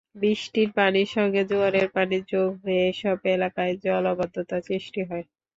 বৃষ্টির পানির সঙ্গে জোয়ারের পানি যোগ হয়ে এসব এলাকায় জলাবদ্ধতা সৃষ্টি হয়।